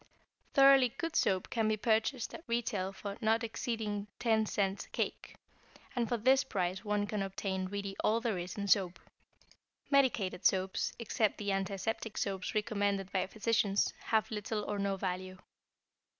Thoroughly good soap can be purchased at retail for not exceeding ten cents a cake, and for this price one can obtain really all there is in soap. Medicated soaps, except the antiseptic soaps recommended by physicians, have little or no value.